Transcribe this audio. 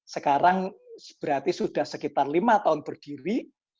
sekarang berarti sudah sekitar lima tahun berdiri